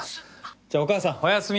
じゃあお母さんおやすみ。